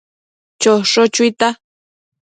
Chosho chuita